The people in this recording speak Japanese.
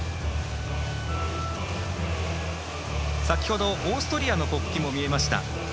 先ほどオーストリアの国旗も見えました。